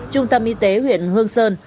trung tâm y tế huyện hương sơn